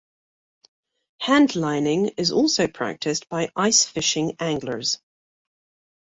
Handlining is also practiced by ice fishing anglers.